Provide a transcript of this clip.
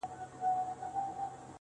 د کندهار ماځيگره، ستا خبر نه راځي.